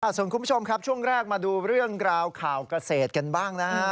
สวัสดีคุณผู้ชมครับช่วงแรกมาดูเรื่องราวข่าวกเศษกันบ้าง